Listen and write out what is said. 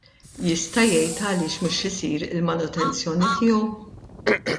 Jista' jgħid għaliex mhux isir il-manutenzjoni tiegħu?